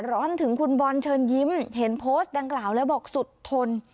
ร้อนถึงคุณบอลเชิญยิ้มเห็นโพสต์ดังกล่าวแล้วบอกสุดทน